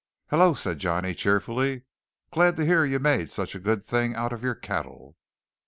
"Hullo!" said Johnny cheerfully. "Glad to hear you made such a good thing out of your cattle!"